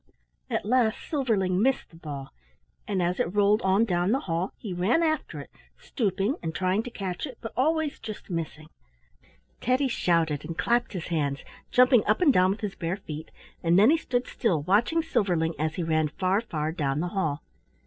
At last Silverling missed the ball, and as it rolled on down the hall he ran after it, stooping and trying to catch it, but always just missing. Teddy shouted and clapped his hands, jumping up and down with his bare feet, and then he stood still watching Silverling as he ran far, far down the hall.